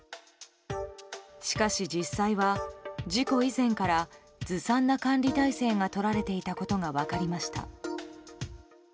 しかし、実際は事故以前からずさんな管理体制がとられていたことが分かりました。